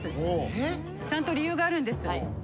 ちゃんと理由があるんです。